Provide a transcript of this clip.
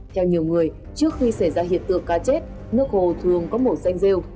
theo nhiều người trước khi xảy ra hiện tượng cá chết nước hồ thường có màu xanh rêu